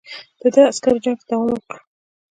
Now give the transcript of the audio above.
د ده عسکرو جنګ ته دوام ورکړ.